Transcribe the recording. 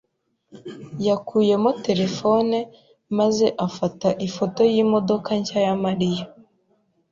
yakuyemo terefone maze afata ifoto y'imodoka nshya ya Mariya.